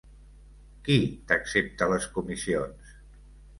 Qui t’accepta les comissions?